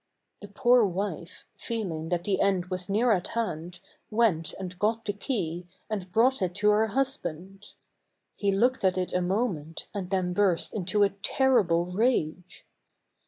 The poor wife, feeling that the end was near at hand, went and got the key, and brought it to her husband. He looked at it a moment, and then burst into a terrible rage.